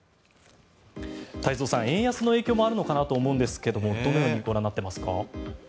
太蔵さん、円安の影響もあるのかなと思いますがどのようにご覧になっていますか？